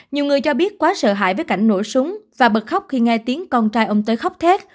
nhiều người cho biết quá sợ hãi với cảnh nổ súng và bật khóc khi nghe tiếng con trai ông tới khắp thát